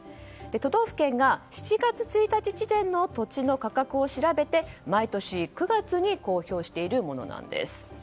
都道府県が７月１日時点の土地の価格を調べて毎年９月に公表しているものなんです。